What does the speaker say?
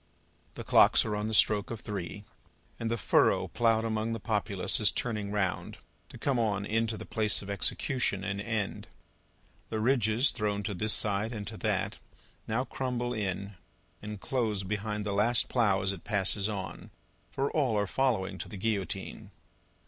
The clocks are on the stroke of three, and the furrow ploughed among the populace is turning round, to come on into the place of execution, and end. The ridges thrown to this side and to that, now crumble in and close behind the last plough as it passes on, for all are following to the Guillotine.